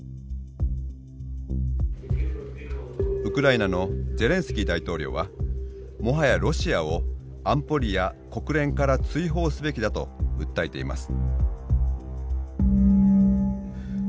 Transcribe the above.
ウクライナのゼレンスキー大統領はもはやロシアを安保理や国連から追放すべきだと訴えています。